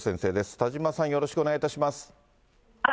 田島さん、よろしくお願いいたします。